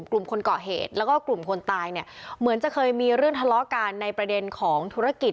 กลุ่มคนเกาะเหตุแล้วก็กลุ่มคนตายเนี่ยเหมือนจะเคยมีเรื่องทะเลาะกันในประเด็นของธุรกิจ